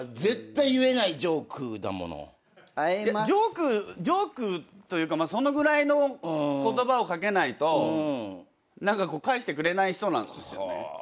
いやジョークというかそのぐらいの言葉を掛けないと返してくれない人なんですよね。